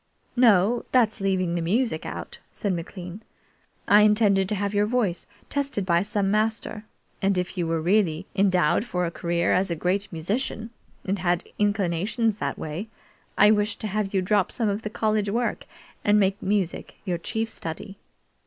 "No; that's leaving the music out," said McLean. "I intended to have your voice tested by some master, and if you really were endowed for a career as a great musician, and had inclinations that way, I wished to have you drop some of the college work and make music your chief study.